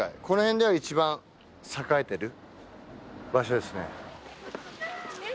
この辺では一番栄えてる場所ですね。